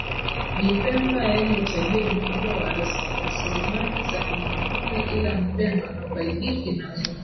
Ni Pemba yenye utajiri mkubwa wa rasilimali za kimaumbile ila Mpemba hafaidiki nazo